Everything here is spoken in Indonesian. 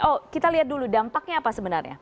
oh kita lihat dulu dampaknya apa sebenarnya